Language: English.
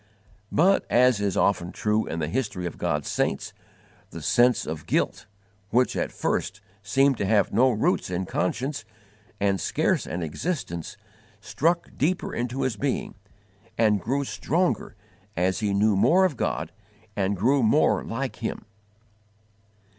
But, as is often true in the history of God's saints, the sense of guilt, which at first seemed to have no roots in conscience and scarce an existence, struck deeper into his being and grew stronger as he knew more of God and grew more like Him.